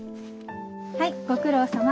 はいご苦労さま。